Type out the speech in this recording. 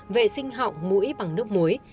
vệ sinh họng mũi bằng nước muối